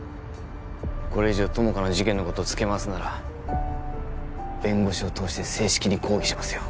これ以上友果の事件のこと付け回すなら弁護士を通して正式に抗議しますよ